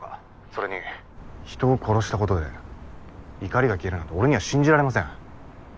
それに人を殺したことで怒りが消えるなんて俺には信じられません。